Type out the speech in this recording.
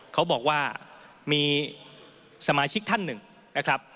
เขาบอกว่ามีสมาชิกท่านหนึ่งนะครับ